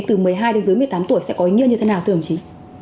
từ một mươi hai đến dưới một mươi tám tuổi sẽ có ý nghĩa như thế nào thưa ông chí